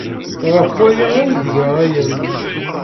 Ɣef waya ay tga ayen.